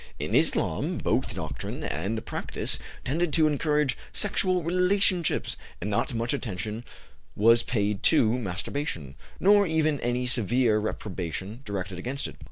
In Islam both doctrine and practice tended to encourage sexual relationships, and not much attention was paid to masturbation, nor even any severe reprobation directed against it.